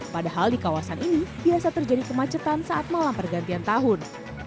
padahal di kawasan ini biasa terjadi kemacetan saat malam pergantian tahun